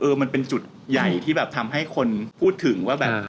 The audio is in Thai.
มันเป็นจุดใหญ่ที่แบบทำให้คนพูดถึงว่าแบบ